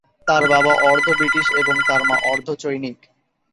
তার বাবা অর্ধ ব্রিটিশ এবং তার মা অর্ধ চৈনিক।